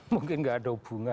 mungkin gak ada hubungan